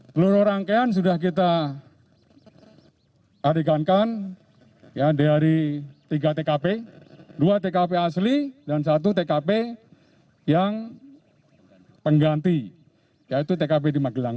seluruh rangkaian sudah kita adegankan di hari tiga tkp dua tkp asli dan satu tkp yang pengganti yaitu tkp di magelang